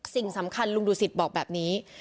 สิ่งสำคัญลุงดูสิตบอกแบบนี้